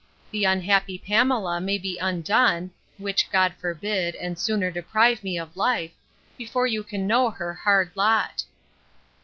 The unhappy Pamela may be undone (which God forbid, and sooner deprive me of life!) before you can know her hard lot!